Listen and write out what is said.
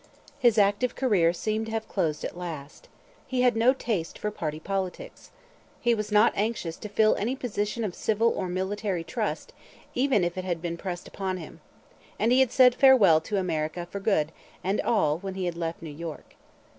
His active career seemed to have closed at last. He had no taste for party politics. He was not anxious to fill any position of civil or military trust, even if it had been pressed upon him. And he had said farewell to America for good and all when he had left New York.